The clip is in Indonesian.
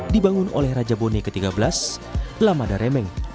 dibangun oleh raja boneh xiii lamada remeng